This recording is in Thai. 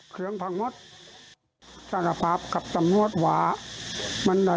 อ๋อเสพยาเลยด้วยนะ